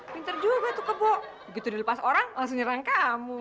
pinter juga batu kebo begitu dilepas orang langsung nyerang kamu